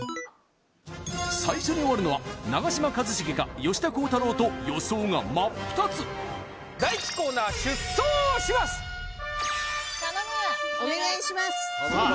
最初に終わるのは長嶋一茂か吉田鋼太郎と予想が真っ二つ第１コーナーさあ